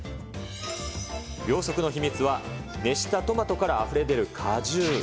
秒速の秘密は、熱したトマトからあふれ出る果汁。